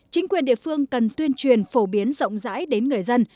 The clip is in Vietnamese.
chính quyền địa phương cần tuyên truyền phổ biến rộng rãi đến người dân